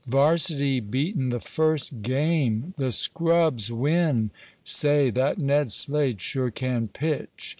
"Varsity beaten the first game!" "The scrubs win!" "Say, that Ned Slade sure can pitch!"